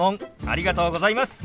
ありがとうございます。